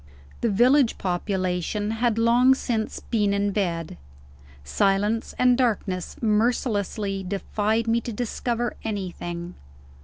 The village population had long since been in bed. Silence and darkness mercilessly defied me to discover anything.